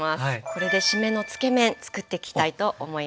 これで“締め”のつけ麺つくっていきたいと思います。